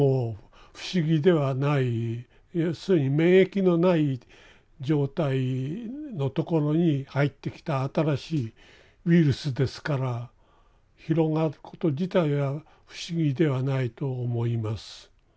要するに免疫のない状態のところに入ってきた新しいウイルスですから広がること自体は不思議ではないと思います。